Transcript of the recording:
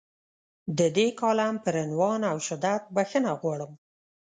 د دې کالم پر عنوان او شدت بخښنه غواړم.